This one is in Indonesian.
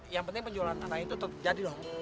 yang penting penjualan tanah itu tetep jadi dong